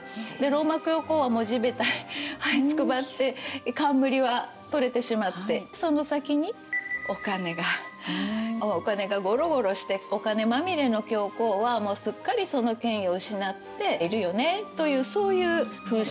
ローマ教皇はもう地べたにはいつくばって冠は取れてしまってその先にお金がお金がゴロゴロしてお金まみれの教皇はもうすっかりその権威を失っているよねというそういう風刺画ですね。